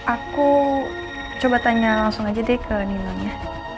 aku coba tanya langsung aja deh ke nino ya